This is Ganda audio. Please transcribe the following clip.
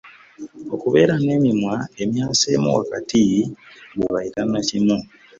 Okubeera n'emimwa emyaseemu wakati gwe bayita Nakimu.